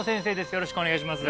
よろしくお願いします